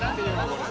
これ。